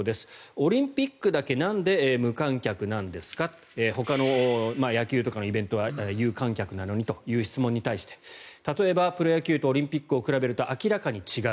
オリンピックだけなんで無観客なんですかほかの野球とかのイベントは有観客なのにという質問に対して例えば、プロ野球とオリンピックを比べると明らかに違う。